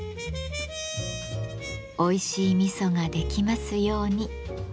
おいしい味噌ができますように。